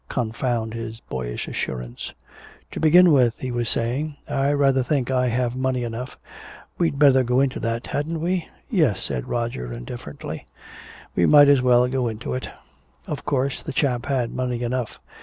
Confound his boyish assurance! "To begin with," he was saying, "I rather think I have money enough. We'd better go into that, hadn't we?" "Yes," said Roger indifferently. "We might as well go into it." Of course the chap had money enough.